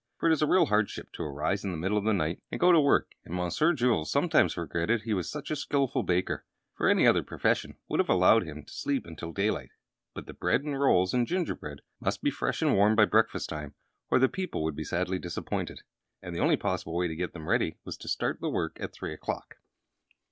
For it is a real hardship to arise in the middle of the night and go to work, and Monsieur Jules sometimes regretted he was such a skillful baker; for any other profession would have allowed him to sleep until daylight. But the bread and rolls and gingerbread must be fresh and warm by breakfast time, or the people would be sadly disappointed; and the only possible way to get them ready was to start the work at three o'clock.